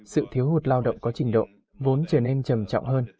sự thiếu hụt lao động có trình độ vốn trở nên trầm trọng hơn